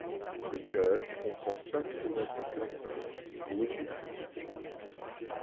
Le chœur comprend cinq fenêtres en plein cintre ou ogivales.